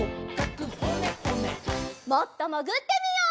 もっともぐってみよう。